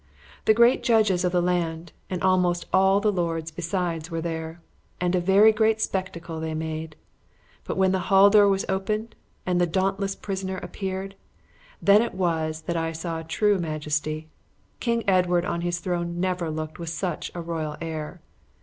The great judges of the land, and almost all the lords besides were there, and a very grand spectacle they made. But when the hall door was opened, and the dauntless prisoner appeared, then it was that I saw true majesty. King Edward on his throne never looked with such a royal air.